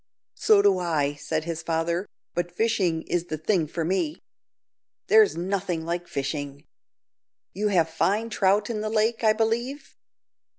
"So do I," said his father; "but fishing is the thing for me. There's nothing like fishing. You have fine trout in the lake, I believe?"